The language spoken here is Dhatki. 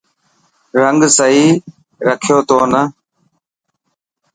رنگ سهي رکيو تو نه.